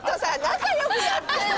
仲良くやってよ！